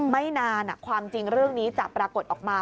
ไม่นานความจริงเรื่องนี้จะปรากฏออกมา